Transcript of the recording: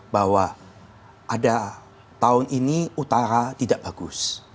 bahwa ada tahun ini utara tidak bagus